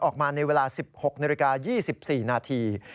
ออกมาในเวลา๑๖น๒๔นาที